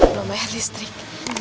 belum bayar listrik